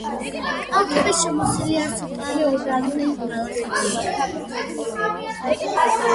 კალთები შემოსილია სუბალპური ბალახეულით.